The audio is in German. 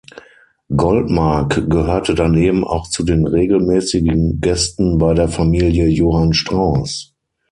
Goldmark gehörte daneben auch zu den regelmäßigen Gästen bei der Familie Johann Strauss.